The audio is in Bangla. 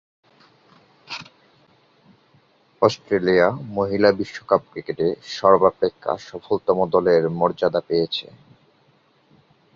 অস্ট্রেলিয়া মহিলা বিশ্বকাপ ক্রিকেটে সর্বাপেক্ষা সফলতম দলের মর্যাদা পেয়েছে।